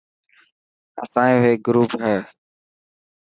اسانيو هيڪ گروپ هي.